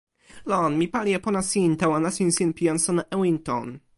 lon, mi pali e pona sin tawa nasin sin pi jan sona Ewinton.